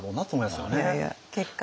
いやいや結果ね。